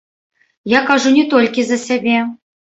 Я кажу не толькі за сябе.